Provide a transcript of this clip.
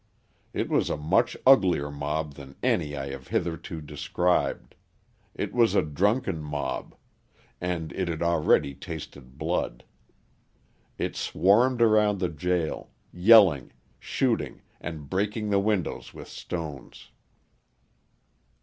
It was a much uglier mob than any I have hitherto described; it was a drunken mob, and it had already tasted blood. It swarmed around the jail, yelling, shooting, and breaking the windows with stones.